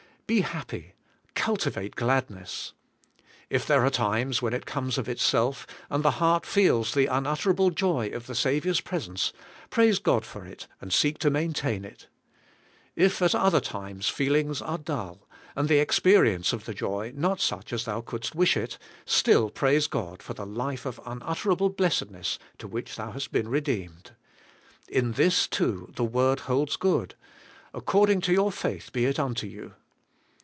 Be happy. Cultivate gladness. If there are times when it comes of itself, and the heart feels the unut terable joy of the Saviour's presence, praise God for it, and seek to maintain it. If at other times feel ings are dull, and the experience of the joy not such as thou couldest wish it, still praise God for the life of unutterable blessedness to tvhich thou hast been re deemed. In this, too, the word holds good: 'Accord ing to your faith be it unto you.'